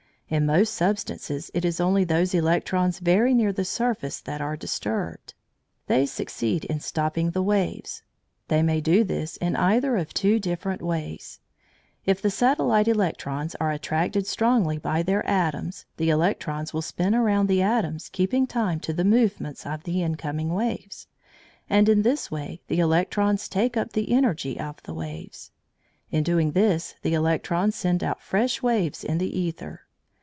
In most substances it is only those electrons very near the surface that are disturbed. They succeed in stopping the waves. They may do this in either of two different ways. If the satellite electrons are attracted strongly by their atoms, the electrons will spin around the atoms keeping time to the movements of the incoming waves, and in this way the electrons take up the energy of the waves. In doing this, the electrons send out fresh waves in the æther.